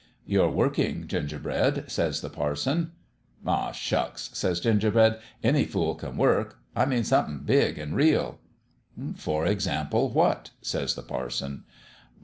1 "' You're workin', Gingerbread,' says the par son. "* Oh, shucks !' says Gingerbread ;* any fool can work. I mean something big an' real.' "* For example, what ?' says the parson.